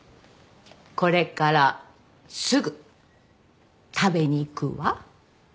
これからすぐ食べに行くわ。